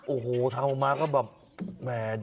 โอ้โหเพื่อยทำต่อมาก็แบบ